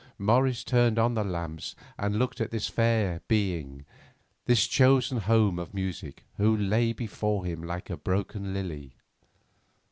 Morris turned on the lamps, and looked at this fair being, this chosen home of Music, who lay before him like a broken lily.